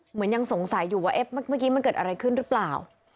ยังสงสัยอยู่ว่าเมื่อกี้มันเกิดอะไรขึ้นหรือเปล่า